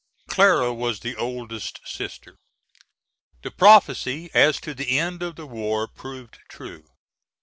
[Clara was the oldest sister. The prophecy as to the end of the war proved true.